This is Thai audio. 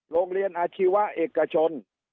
โรงเรียนอาชีวะเอกชน